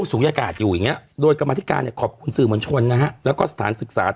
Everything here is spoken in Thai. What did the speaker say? อืมอืมอืมอืมอืมอืมอืมอืม